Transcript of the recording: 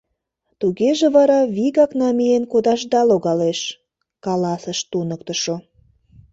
— Тугеже вара вигак намиен кодашда логалеш, — каласыш туныктышо.